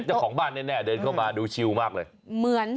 เจ้าของบ้านแน่เดินเข้ามาดูชิวมากเลยเหมือน